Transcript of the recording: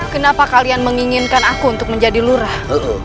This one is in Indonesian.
kenapa kalian menginginkan aku untuk menjadi lurah